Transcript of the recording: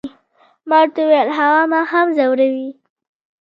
ما ورته وویل، هغه ما هم ځوروي.